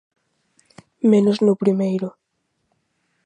Menos no primeiro.